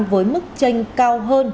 với mức tranh cao hơn